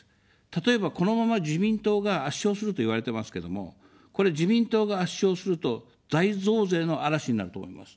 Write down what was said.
例えば、このまま自民党が圧勝すると言われてますけども、これ、自民党が圧勝すると、大増税の嵐になると思います。